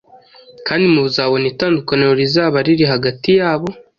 kandi muzabona itandukaniro rizaba riri hagati yabo